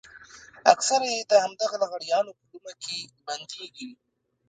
اکثره يې د همدغو لغړیانو په لومه کې بندېږي.